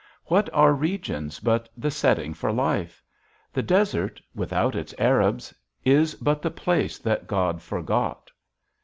What are regions but the setting for life? The desert, without its Arabs, is but the place that God forgot.